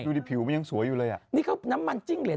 ดูดิผิวมันยังสวยอยู่เลยอ่ะนี่ก็น้ำมันจิ้งเหรน